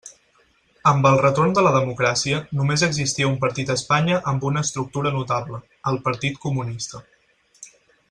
Amb el retorn de la democràcia, només existia un partit a Espanya amb una estructura notable: el Partit Comunista.